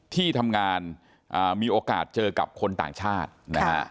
ที่ทำงานมีโอกาสเจอกับคนต่างชาตินะฮะ